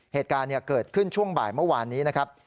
เหตุการณ์เกิดขึ้นช่วงบ่ายเมื่อวานนี้นะครับ